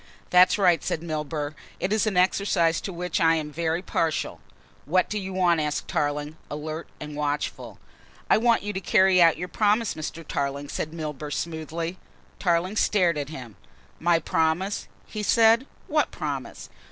"That's right," said Milburgh, "it is an exercise to which I am very partial." "What do you want?" asked Tarling, alert and watchful. "I want you to carry out your promise, Mr. Tarling," said Milburgh smoothly. Tarling stared at him. "My promise," he said, "what promise?"